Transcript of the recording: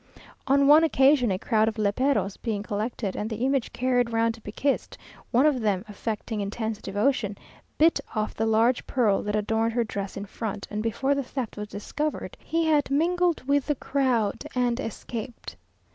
On one occasion a crowd of léperos being collected, and the image carried round to be kissed, one of them, affecting intense devotion, bit off the large pearl that adorned her dress in front, and before the theft was discovered, he had mingled with the crowd and escaped.